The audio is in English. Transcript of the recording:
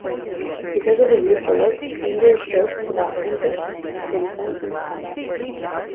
Because of his youthful looks, he endures jokes about "infants" being sent into combat.